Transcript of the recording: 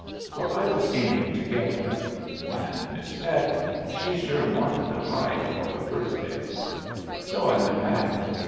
For I was aiming to get her. And Miss Peck, she sure wanted the hide for her birthday. So I went back.